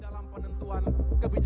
dalam penentuan kebijakan fiskal